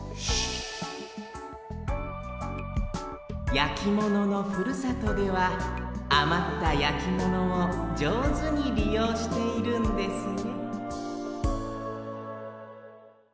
焼き物のふるさとではあまった焼き物をじょうずに利用しているんですね